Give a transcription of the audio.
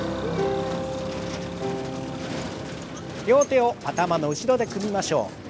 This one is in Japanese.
両手を頭の後ろで組みましょう。